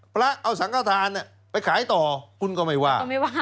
พระเอาสังฆฐานไปขายต่อคุณก็ไม่ว่า